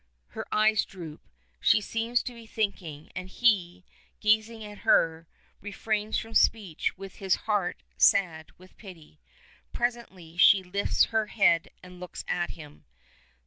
Her eyes droop. She seems to be thinking, and he, gazing at her, refrains from speech with his heart sad with pity. Presently she lifts her head and looks at him.